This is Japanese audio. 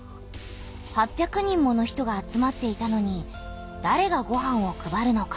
８００人もの人が集まっていたのにだれがごはんを配るのか？